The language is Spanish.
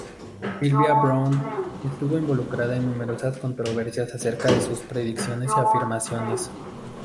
Sylvia Browne estuvo involucrada en numerosas controversias acerca de sus predicciones y afirmaciones.